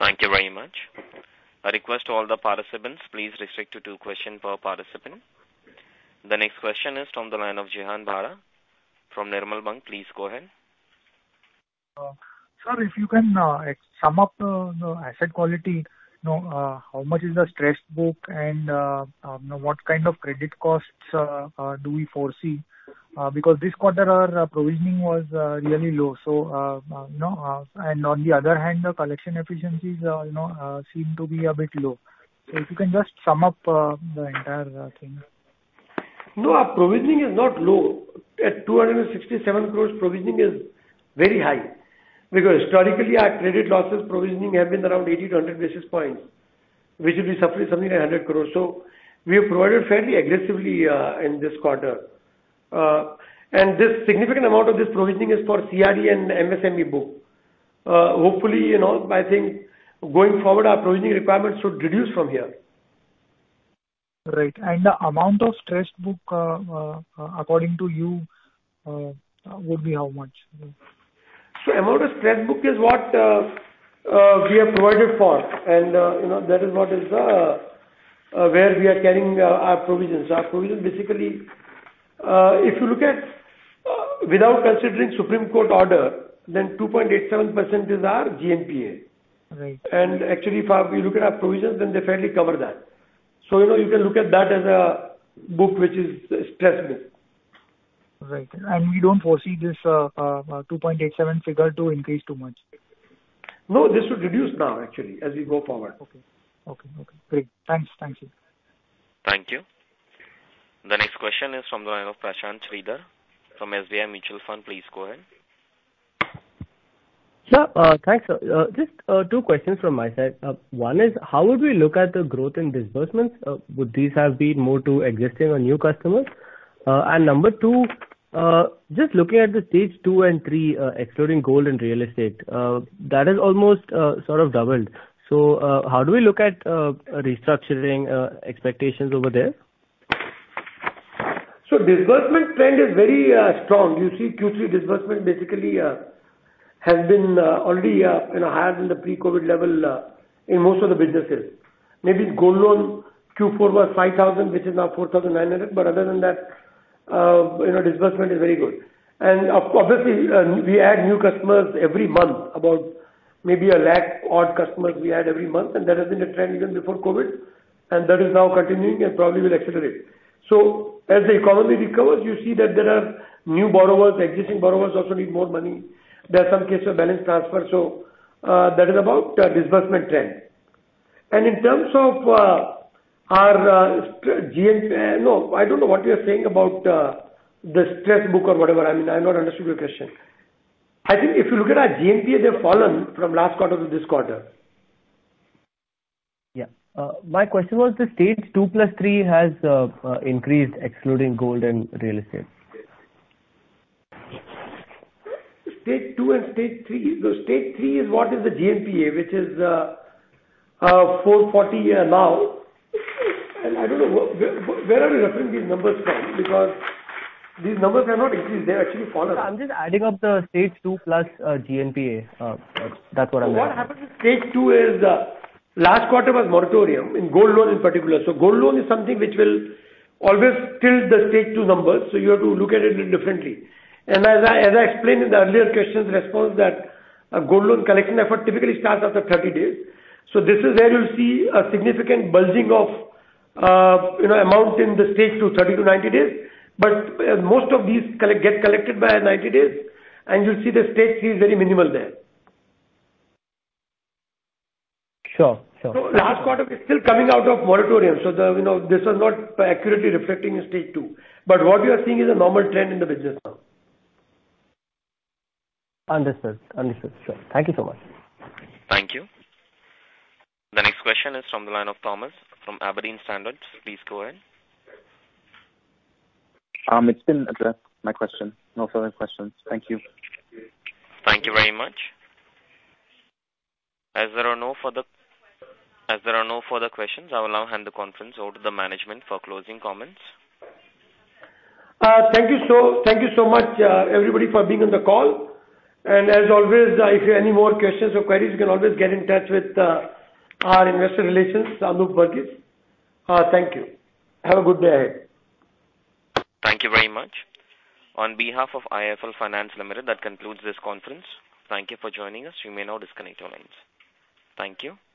Thank you very much. A request to all the participants, please restrict it to a question per participant. The next question is from the line of Jehan Bhadha from Nirmal Bang. Please go ahead. Sir, if you can sum up the asset quality, how much is the stressed book and what kind of credit costs do we foresee? This quarter, our provisioning was really low. On the other hand, the collection efficiencies seem to be a bit low. If you can just sum up the entire thing. No, our provisioning is not low. At 267 crores, provisioning is very high. Historically, our credit losses provisioning have been around 80 basis points-100 basis points, which will be roughly something around 100 crores. We have provided fairly aggressively in this quarter. This significant amount of this provisioning is for CRE and MSME book. Hopefully in all, I think going forward, our provisioning requirements should reduce from here. Right. The amount of stressed book, according to you, would be how much? Amount of stressed book is what we have provided for, and that is where we are carrying our provisions. Our provision, basically, if you look at without considering Supreme Court order, then 2.87% is our GNPA. Right. Actually, if you look at our provisions, then they fairly cover that. You can look at that as a book which is stress-free. Right. We don't foresee this 2.87% figure to increase too much? No, this should reduce now actually, as we go forward. Okay. Great. Thanks. Thank you. The next question is from the line of Prashanth Sridhar from SBI Mutual Fund. Please go ahead. Sir, thanks. Just two questions from my side. One is, how would we look at the growth in disbursements? Would these have been more to existing or new customers? Number two, just looking at the Stage 2 and Stage 3, excluding gold and real estate, that has almost sort of doubled. How do we look at restructuring expectations over there? Disbursement trend is very strong. You see Q3 disbursement basically has been already higher than the pre-COVID level in most of the businesses. Maybe gold loan Q4 was 5,000, which is now 4,900. Other than that, disbursement is very good. Obviously, we add new customers every month, about maybe a lakh odd customers we add every month, and that has been the trend even before COVID, and that is now continuing and probably will accelerate. As the economy recovers, you see that there are new borrowers. Existing borrowers also need more money. There are some cases of balance transfer. That is about disbursement trend. In terms of our GNPA, no, I don't know what you're saying about the stress book or whatever. I mean, I've not understood your question. I think if you look at our GNPA, they've fallen from last quarter to this quarter. Yeah. My question was the Stage 2 plus Stage 3 has increased excluding gold and real estate. Stage 2 and Stage 3. Stage 3 is what is the GNPA, which is 440 now. I don't know, where are you referring these numbers from? Because these numbers have not increased, they have actually fallen. I'm just adding up the Stage 2 plus GNPA. That's what I meant. What happened with Stage 2 is, last quarter was moratorium in gold loan in particular. Gold loan is something which will always tilt the Stage 2 numbers, so you have to look at it little differently. As I explained in the earlier question's response, that a gold loan collection effort typically starts after 30 days. This is where you'll see a significant bulging of amount in the Stage 2, 30-90 days. Most of these get collected by 90 days, and you'll see the Stage 3 is very minimal there. Sure. Last quarter we're still coming out of moratorium. This was not accurately reflecting the Stage 2. What we are seeing is a normal trend in the business now. Understood. Sure. Thank you so much. Thank you. The next question is from the line of Thomas from Aberdeen Standard. Please go ahead. It's been addressed, my question. No further questions. Thank you. Thank you very much. As there are no further questions, I will now hand the conference over to the management for closing comments. Thank you so much, everybody, for being on the call. As always, if you have any more questions or queries, you can always get in touch with our investor relations, Anup Varghese. Thank you. Have a good day. Thank you very much. On behalf of IIFL Finance Limited, that concludes this conference. Thank you for joining us. You may now disconnect your lines. Thank you.